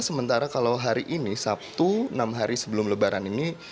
sementara kalau hari ini sabtu enam hari sebelum lebaran ini